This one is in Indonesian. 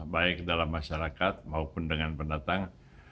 baik dalam masyarakat maupun dengan pendatang